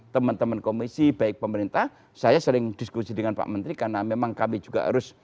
teman teman komisi baik pemerintah saya sering diskusi dengan pak menteri karena memang kami juga harus